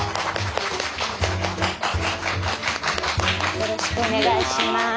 よろしくお願いします。